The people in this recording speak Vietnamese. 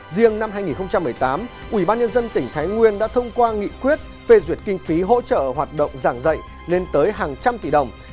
riêng năm hai nghìn một mươi tám ủy ban nhân dân tỉnh thái nguyên đã thông qua nghị quyết phê duyệt kinh phí hỗ trợ hoạt động giảng dạy lên tới hàng trăm tỷ đồng